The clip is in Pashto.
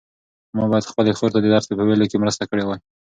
ما باید خپلې خور ته د درس په ویلو کې مرسته کړې وای.